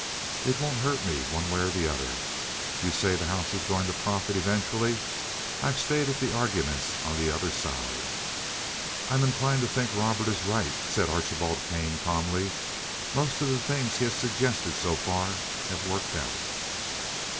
It won't hurt me one way or the other. You say the house is going to profit eventually. I've stated the arguments on the other side." "I'm inclined to think Robert is right," said Archibald Kane calmly. "Most of the things he has suggested so far have worked out."